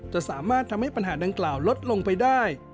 จะสามารถทำให้ปัญหาดังกล่าวลดลงไปได้